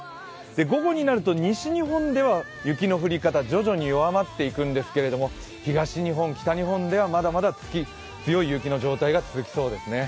午後になると西日本では雪の降り方、徐々に弱まっていくんですが東日本、北日本ではまだまだ強い雪の状態が続きそうです。